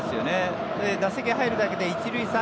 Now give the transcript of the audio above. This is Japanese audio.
打席に入るだけで１塁３